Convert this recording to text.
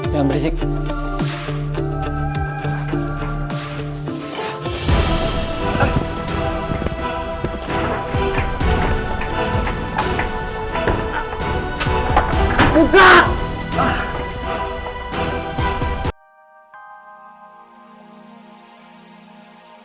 suaranya pelang maar musim itu ini tuh